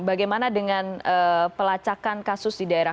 bagaimana dengan pelacakan kasus di daerah